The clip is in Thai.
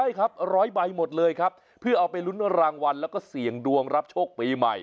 ใช่ครับร้อยใบหมดเลยครับเพื่อเอาไปลุ้นรางวัลแล้วก็เสี่ยงดวงรับโชคปีใหม่